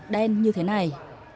đen như thế này